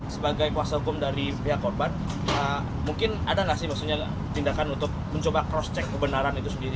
sebagai kuasa hukum dari pihak korban mungkin ada nggak sih maksudnya tindakan untuk mencoba cross check kebenaran itu sendiri